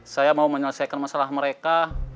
saya mau menyelesaikan masalah mereka